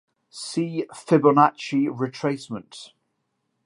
See Fibonacci retracement.